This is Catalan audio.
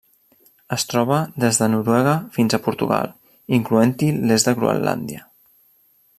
Es troba des de Noruega fins a Portugal, incloent-hi l'est de Groenlàndia.